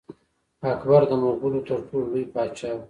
اکبر د مغولو تر ټولو لوی پاچا و.